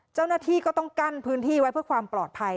เจ้าหน้าที่ก็ต้องกั้นพื้นที่ไว้เพื่อความปลอดภัย